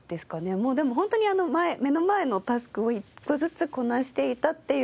もうでもホントに目の前のタスクを１個ずつこなしていたっていう。